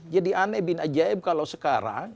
jadi aneh bin ajaib kalau sekarang